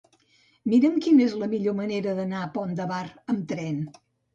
Mira'm quina és la millor manera d'anar al Pont de Bar amb tren.